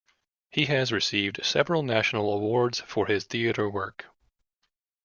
He has received several national awards for his theatre work.